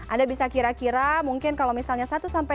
anda bisa kira kira mungkin kalau misalnya satu sampai